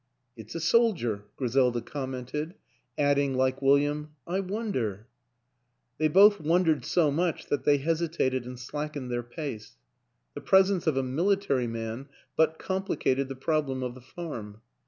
" It's a soldier," Griselda commented add ing, like William, " I wonder " They both wondered so much that they hesitated and slack ened their pace; the presence of a military man but complicated the problem of the farm.